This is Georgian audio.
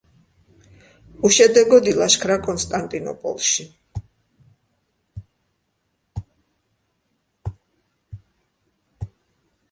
უშედეგოდ ილაშქრა კონსტანტინოპოლში.